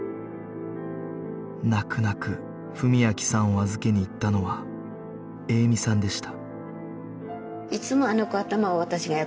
泣く泣く文明さんを預けに行ったのは栄美さんでした